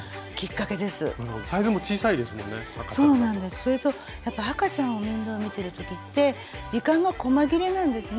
それとやっぱ赤ちゃんを面倒見てる時って時間がこま切れなんですね。